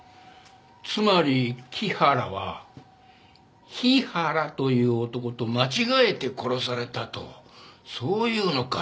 つまり木原は日原という男と間違えて殺されたとそう言うのか？